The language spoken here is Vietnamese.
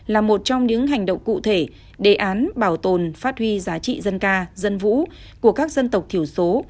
là một trong những hành động cụ thể đề án bảo tồn phát huy giá trị dân ca dân vũ của các dân tộc thiểu số